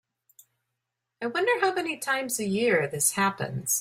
I wonder how many times a year this happens.